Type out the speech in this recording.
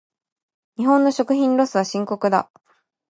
日本の食品ロスは深刻だ。